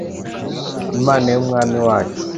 Imana y umwami wacu